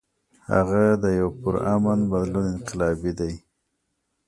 هغه د يو پُرامن بدلون انقلابي دے ۔